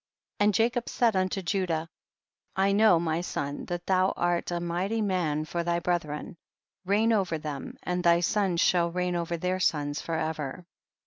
8. And Jacob said unto Judah, I know my son that thou art a mighty 7nan for thy brethren ; reign over them, and thy sons shall reign over their sons forever.